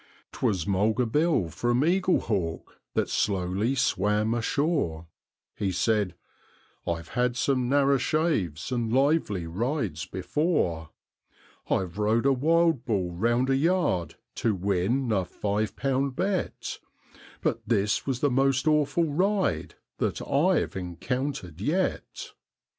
'Twas Mulga Bill, from Eaglehawk, that slowly swam ashore: He said, 'I've had some narrer shaves and lively rides before; I've rode a wild bull round a yard to win a five pound bet, But this was the most awful ride that I've encountered yet.